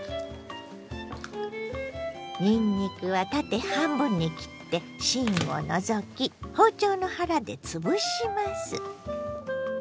にんにくは縦半分に切って芯を除き包丁の腹でつぶします。